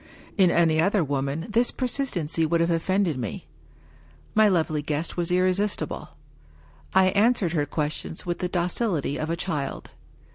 In any other woman this persistency would have offended me. My lovely guest was irresistible ; I answered her questions with the docility of a child.